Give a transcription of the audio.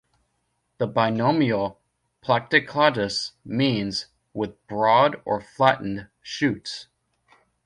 The binomial "Platycladus" means "with broad or flattened shoots".